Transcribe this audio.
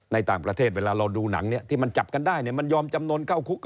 ในต่างประเทศเวลาเราดูหนังเนี่ยที่มันจับกันได้เนี่ยมันยอมจำนวนเข้าคุก